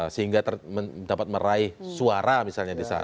sehingga dapat meraih suara misalnya di sana